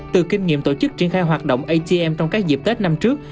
từ kinh nghiệm tổ chức triển khai hoạt động atm trong các dịp tết năm trước